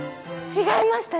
違いました？